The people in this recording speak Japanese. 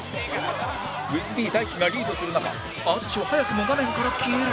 ｗｉｔｈＢ ダイキがリードする中淳は早くも画面から消える